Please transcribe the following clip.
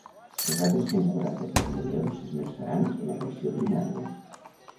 Els altres cent quaranta-sis milions s’esmerçaran en atenció primària.